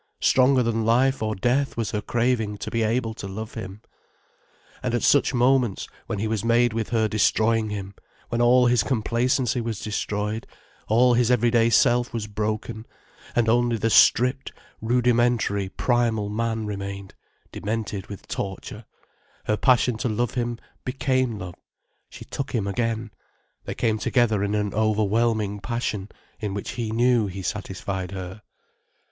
Stronger than life or death was her craving to be able to love him. And at such moments, when he was made with her destroying him, when all his complacency was destroyed, all his everyday self was broken, and only the stripped, rudimentary, primal man remained, demented with torture, her passion to love him became love, she took him again, they came together in an overwhelming passion, in which he knew he satisfied her.